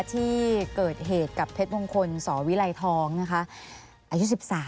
ที่เกิดเหตุกับเพชรมงคลสวิไลทองนะคะอายุ๑๓